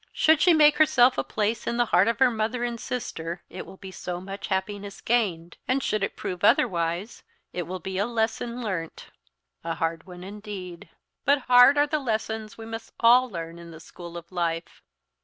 Should she make herself a place in the heart of her mother and sister it will be so much happiness gained; and should it prove otherwise, it will be a lesson learnt a hard one indeed! but hard are the lessons we must all learn in the school of life!"